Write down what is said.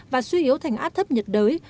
và suy yếu thành át thấp nhiệt đới